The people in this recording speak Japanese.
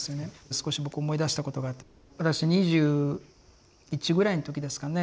少し僕思い出したことがあって私２１ぐらいの時ですかね